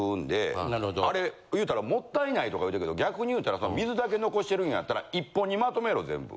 あれ言うたらもったいないとか言うてるけど逆に言うたら水だけ残してるんやったら１本にまとめろ全部。